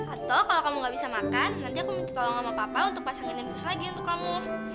atau kalau kamu gak bisa makan nanti aku minta tolong sama papa untuk pasangin infus lagi untuk kamu